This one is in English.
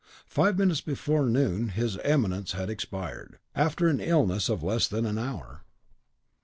Five minutes before noon his Eminence had expired, after an illness of less than an hour.